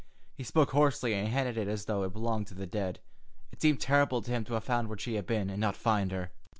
He spoke hoarsely and handled it as though it belonged to the dead. It seemed terrible to him to have found where she had been, and not find her.